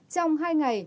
trong hai ngày